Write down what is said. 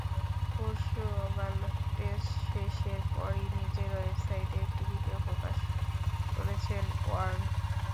পরশু Oval test শেষের পরই নিজের ওয়েবসাইটে একটি ভিডিও প্রকাশ করেছেন ওয়ার্ন।